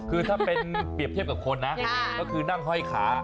คือถ้าเป็นเปรียบเทียบกับคนนะก็คือนั่งห้อยขา